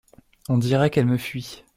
On dirait qu’elle me fuit.